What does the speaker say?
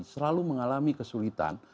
selalu mengalami kesulitan